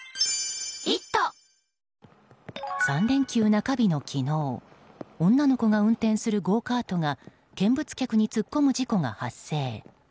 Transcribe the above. ３連休中日の昨日女の子が運転するゴーカートが見物客に突っ込む事故が発生。